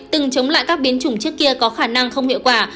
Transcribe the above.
từng chống lại các biến chủng trước kia có khả năng không hiệu quả